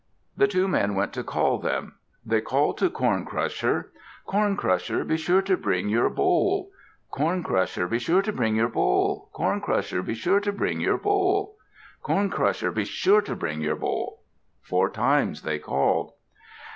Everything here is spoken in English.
The two men went to call them. They called to Corn Crusher. "Corn Crusher, be sure to bring your bowl! Corn Crusher, be sure to bring your bowl! Corn Crusher, be sure to bring your bowl! Corn Crusher, be sure to bring your bowl!" Four times they called.